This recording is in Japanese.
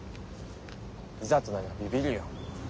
いざとなりゃビビるよ。